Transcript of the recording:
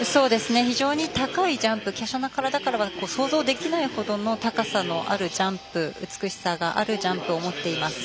非常に高いジャンプきゃしゃな体からは想像できないほどの高さのあるジャンプ美しさがあるジャンプを持っています。